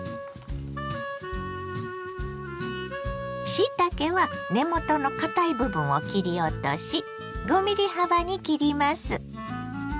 しいたけは根元の堅い部分を切り落とし５ｍｍ幅に切ります。